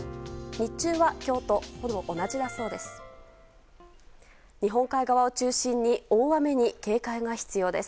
日中は今日とほぼ同じだそうです。